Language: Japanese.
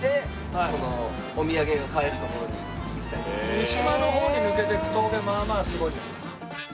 三島の方に抜けていく峠まあまあすごいよ。